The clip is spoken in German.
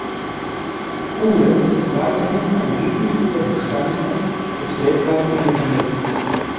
Kohle ist weiterhin ein wesentlicher Bestandteil des weltweiten Energiemixes.